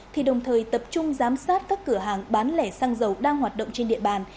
thì đồng thời tập trung giám sát các cửa hàng bán lẻ xăng dầu đang hoạt động trên địa bàn